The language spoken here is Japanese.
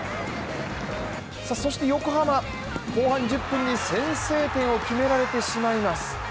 そして横浜、後半１０分に先制点を決められてしまいます。